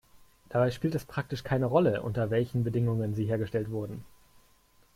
Dabei spielt es praktisch keine Rolle, unter welchen Bedingungen sie hergestellt wurden.